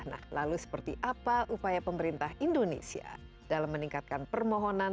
nah lalu seperti apa upaya pemerintah indonesia dalam meningkatkan permohonan